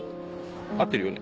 合ってるよね？